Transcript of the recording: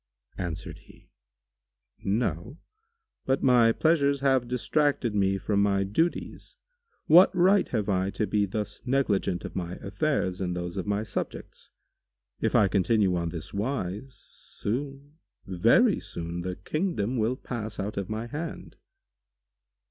Answered he, "No: but my pleasures have distracted me from my duties. What right have I to be thus negligent of my affairs and those of my subjects? If I continue on this wise, soon, very soon, the kingdom will pass out of my hand."